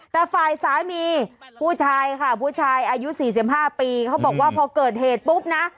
แต่ฝ่ายสามีผู้ชายค่ะผู้ชายอายุ๔๕ปีเขาบอกว่าพอเกิดเหตุปุ๊บนะ